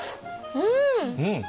うん！